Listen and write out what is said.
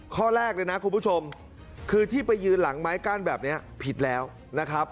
ข้อแรกเลยนะคุณผู้ชมคือที่ไปยืนหลังไม้กั้นแบบนี้ผิดแล้วนะครับ